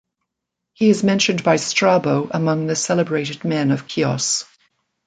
He is mentioned by Strabo among the celebrated men of Chios.